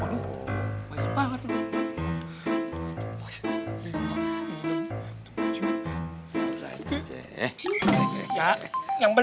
aduh banyak banget